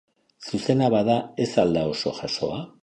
Zuzena bada, ez al da oso jasoa?